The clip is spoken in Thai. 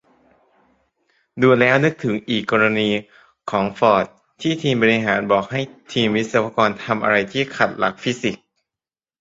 ดูแล้วนึกถึงอีกกรณีของฟอร์ด ที่ทีมบริหารบอกให้ทีมวิศวกรทำอะไรที่ขัดหลักฟิสิกส์